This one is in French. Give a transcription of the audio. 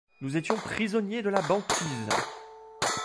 Nous étions prisonniers de la banquise !